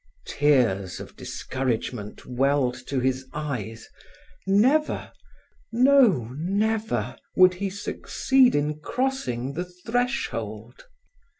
Tears of discouragement welled to his eyes; never, no never would he succeed in crossing the threshold.